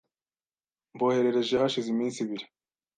Mboherereje hashize iminsi ibiri.